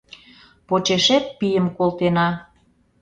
Почешет пийым колтена».